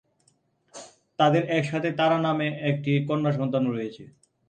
তাদের একসাথে তারা নামে একটি কন্যা সন্তান রয়েছে।